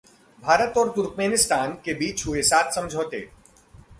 भारत और तुर्कमेनिस्तान के बीच हुए सात समझौते